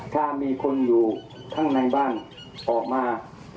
ถ้ามีคนอยู่ข้างในบ้านออกมา